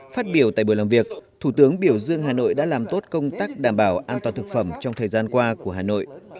phát biểu tại buổi làm việc thủ tướng biểu dương hà nội đã làm tốt công tác đảm bảo an toàn thực phẩm trong thời gian qua của hà nội